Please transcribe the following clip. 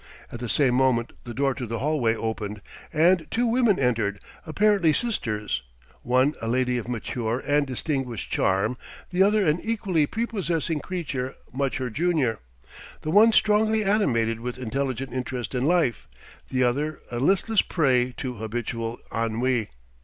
At the same moment the door to the hallway opened, and two women entered, apparently sisters: one a lady of mature and distinguished charm, the other an equally prepossessing creature much her junior, the one strongly animated with intelligent interest in life, the other a listless prey to habitual ennui.